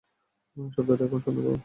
শব্দটা কখন শুনতে পাব?